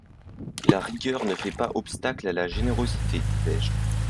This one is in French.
La rigueur ne fait pas obstacle à la générosité, disais-je.